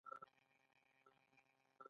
بزګرانو به په دې ځمکو کې کښت کاوه.